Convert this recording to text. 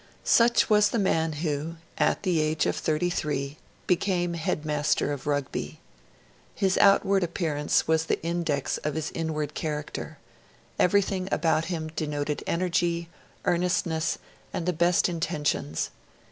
Such was the man who, at the age of thirty three, became headmaster of Rugby. His outward appearance was the index of his inward character; everything about him denoted energy, earnestness, and the best intentions.